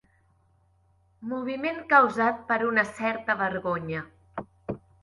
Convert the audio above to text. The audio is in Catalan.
Moviment causat per una certa vergonya.